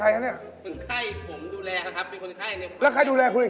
คนไข้ยังมีความดูแลของผม